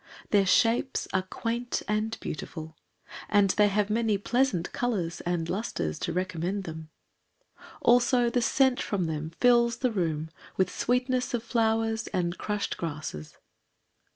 Their shapes are quaint and beautiful, And they have many pleasant colours and lustres To recommend them. Also the scent from them fills the room With sweetness of flowers and crushed grasses.